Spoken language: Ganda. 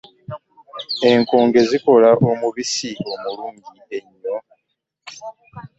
Enkooge zikola omubisi omulungi ennyo.